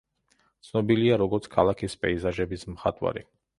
ცნობილია, როგორც ქალაქის პეიზაჟების მხატვარი.